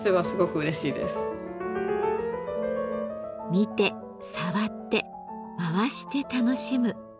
見て触って回して楽しむ。